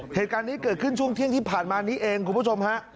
เหตุการณ์นี้เกิดขึ้นช่วงเที่ยงที่ผ่านมานี้เองคุณผู้ชมฮะ